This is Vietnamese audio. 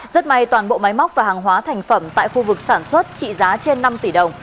rất may toàn bộ máy móc và hàng hóa thành phẩm tại khu vực sản xuất trị giá trên năm tỷ đồng